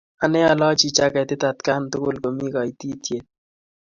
Ane alochi chaketit atkan tukul komi kaitityet.